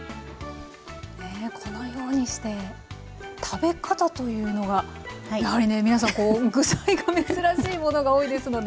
このようにして食べ方というのはやはりね皆さんこう具材が珍しいものが多いですので。